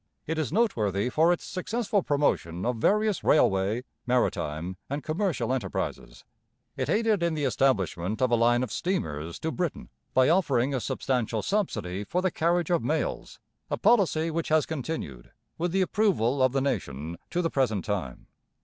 It is noteworthy for its successful promotion of various railway, maritime, and commercial enterprises. It aided in the establishment of a line of steamers to Britain by offering a substantial subsidy for the carriage of mails, a policy which has continued, with the approval of the nation, to the present time.